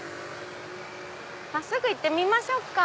真っすぐ行ってみましょうか。